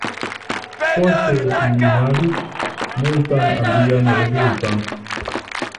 Poste li havis multan alian rezulton.